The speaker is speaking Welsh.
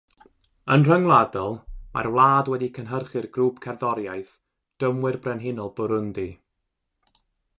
Yn rhyngwladol, mae'r wlad wedi cynhyrchu'r grŵp cerddoriaeth Drymwyr Brenhinol Burundi.